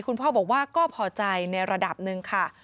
คุณพ่อบอกว่าก็พอใจในระดับหนึ่งค่ะ